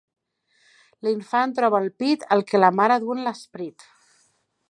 L'infant troba en el pit el que la mare duu en l'esperit.